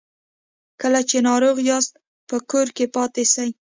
کله چې ناروغ یاست په کور کې پاتې سئ